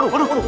aduh aduh aduh